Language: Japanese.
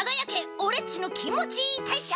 オレっちのきんもちいーたいしょう」